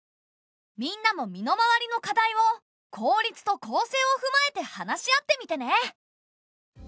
みんなも身の回りの課題を効率と公正をふまえて話し合ってみてね。